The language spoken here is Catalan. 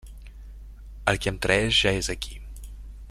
El qui em traeix ja és aquí.